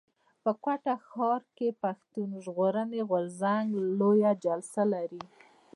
په کوټه ښار کښي پښتون ژغورني غورځنګ لويه جلسه لري.